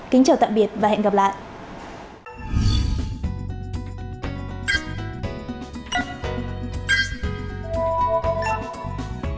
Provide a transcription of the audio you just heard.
kính chào tạm biệt và hẹn gặp lại